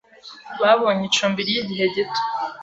babonye icumbi ry’igihe gito